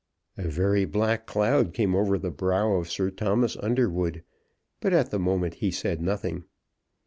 A very black cloud came over the brow of Sir Thomas Underwood, but at the moment he said nothing.